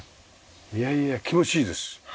いやいや気持ちいいです。